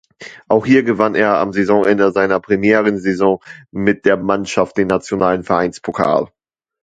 Auch hier gewann er am Saisonende seiner Premierensaison mit der Mannschaft den nationalen Vereinspokal.